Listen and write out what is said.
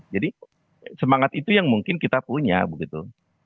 jadi semangat itu yang mungkin kita punya begitu